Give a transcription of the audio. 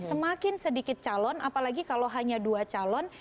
semakin sedikit calon apalagi kalau hanya dua calon